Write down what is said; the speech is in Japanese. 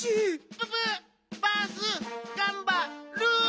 ププバースがんばる！